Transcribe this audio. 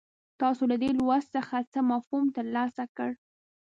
تاسو له دې لوست څخه څه مفهوم ترلاسه کړ.